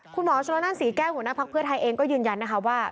คุณหมอชนนั่นศรีแก้วหัวหน้าภักดิ์เพื่อไทยเองก็ยืนยันนะคะว่า